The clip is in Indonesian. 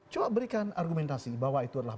coba berikan argumentasi bahwa itu adalah